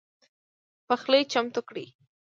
پخلی چمتو کړئ